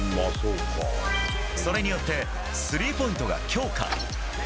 それによってスリーポイントが強化。